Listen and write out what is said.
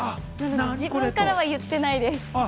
自分からは言っていないです。